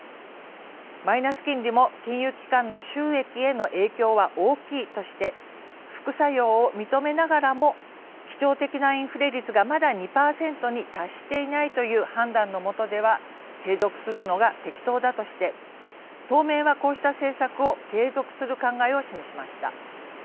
マイナス金利も「金融機関の収益への影響は大きい」として副作用を認めながらも「基調的なインフレ率がまだ２％に達していないという判断のもとでは継続するのが適当だ」として当面は、こうした政策を継続する考えを示しました。